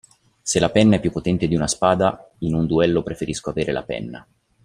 Se la penna è più potente di una spada, in un duello preferisco avere la penna.